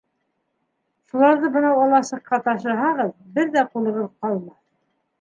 Шуларҙы бынау аласыҡҡа ташыһағыҙ, бер ҙә ҡулығыҙ ҡалмаҫ.